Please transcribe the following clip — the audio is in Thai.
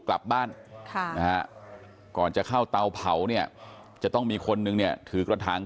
กลับบ้านก่อนจะเข้าเตาเผาเนี่ยจะต้องมีคนนึงเนี่ยถือกระถาง